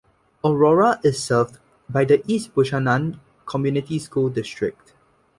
Aurora is served by the East Buchanan Community School District.